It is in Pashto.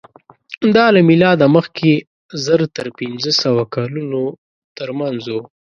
دا له مېلاده مخکې زر تر پینځهسوه کلونو تر منځ وو.